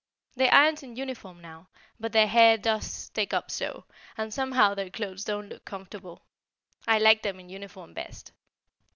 They aren't in uniform now, but their hair does stick up so, and somehow their clothes don't look comfortable. I liked them in uniform best.